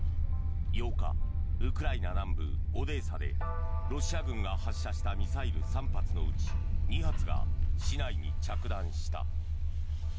８日、ウクライナ南部オデーサでロシア軍が発射したミサイル３発のうち２発が市内に着弾した。